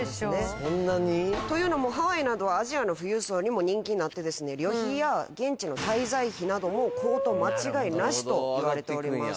そんなに？というのもハワイなどはアジアの富裕層にも人気になって旅費や現地の滞在費なども高騰間違いなしと言われております。